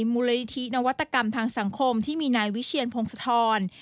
มูลนิธินวัตกรรมทางสังคมที่มีนายวิเชียนพงศธร